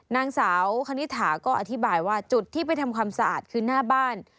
นางสาวคณิตถาก็อธิบายว่าจุดที่ไปทำความสะอาดคือหน้าบ้าน